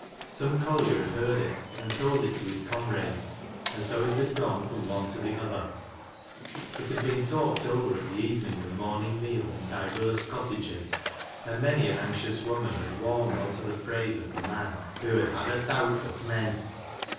Some collier had heard it and had told it to his comrades, and so it had gone from one to the other. It had been talked over at the evening and morning meal in divers cottages, and many an anxious woman had warmed 'nto praise of the man who had " had a thowt for th' men.''